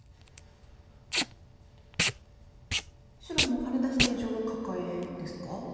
白もハネ出した以上はカカエですか？